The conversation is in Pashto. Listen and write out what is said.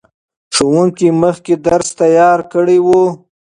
ښوونکي مخکې درس تیار کړی و.